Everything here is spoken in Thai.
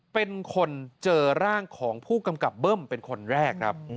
เป็นคนเจอร่างของผู้กำกับเบิ้มเป็นคนแรกครับ